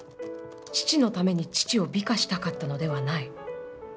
父のために父を美化したかったのではない」。